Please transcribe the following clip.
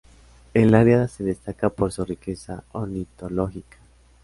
El área se destaca por su riqueza ornitológica.